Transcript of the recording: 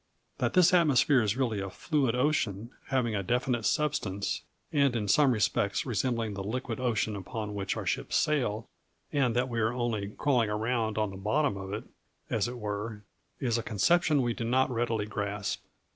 That this atmosphere is really a fluid ocean, having a definite substance, and in some respects resembling the liquid ocean upon which our ships sail, and that we are only crawling around on the bottom of it, as it were, is a conception we do not readily grasp.